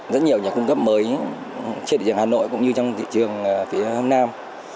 rất nhiều nhà cung cấp mới trên thị trường hà nội cũng như trong thị trường phía đông nam